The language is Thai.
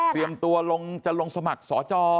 เตรียมตัวลงจะลงสมัครสอจอ